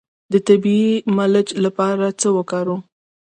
د طبیعي ملچ لپاره څه وکاروم؟